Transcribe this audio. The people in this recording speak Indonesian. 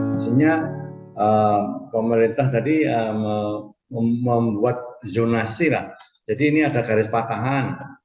maksudnya pemerintah tadi membuat zonasi lah jadi ini ada garis patahan